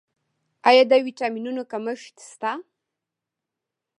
آیا د ویټامینونو کمښت شته؟